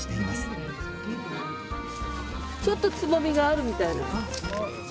ちょっとつぼみがあるみたい。